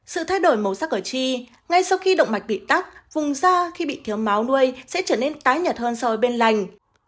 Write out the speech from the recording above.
sự thay đổi màu sắc ở chi ngay sau khi động mạch bị tắc vùng da khi bị thiếu máu nuôi sẽ trở nên tái nhật hơn so với bên lành